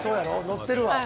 ノってるわ。